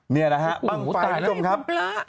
นี่แหนะฮะ